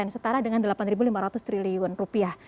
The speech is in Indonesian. setara dengan delapan lima ratus triliun rupiah